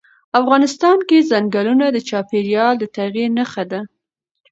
افغانستان کې چنګلونه د چاپېریال د تغیر نښه ده.